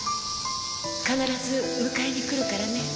必ず迎えに来るからね。